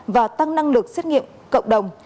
và tăng năng lực xét nghiệm cộng đồng